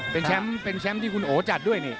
เป็นแชมป์ที่คุณโหจัดด้วยนี่